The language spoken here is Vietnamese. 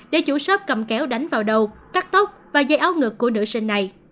để chủ shop cầm kéo đánh vào đầu cắt tóc và dây áo ngực của nữ sinh này